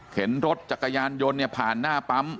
รถจักรยานยนต์เนี่ยผ่านหน้าปั๊ม